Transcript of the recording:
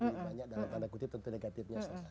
lebih banyak dalam tanda kutip tentu negatifnya